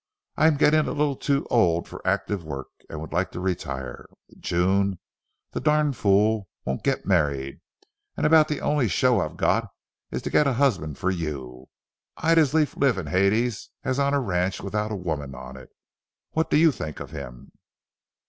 I'm getting a little too old for active work and would like to retire, but June, the durn fool, won't get married, and about the only show I've got is to get a husband for you. I'd as lief live in Hades as on a ranch without a woman on it. What do you think of him?"